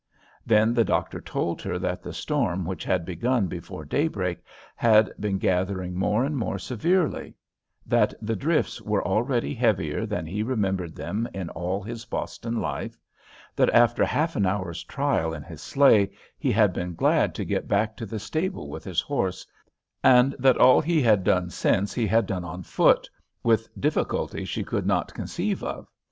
Then the doctor told her that the storm which had begun before daybreak had been gathering more and more severely; that the drifts were already heavier than he remembered them in all his Boston life; that after half an hour's trial in his sleigh he had been glad to get back to the stable with his horse; and that all he had done since he had done on foot, with difficulty she could not conceive of.